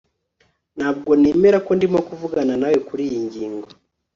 Ntabwo nemera ko ndimo kuvugana nawe kuriyi ngingo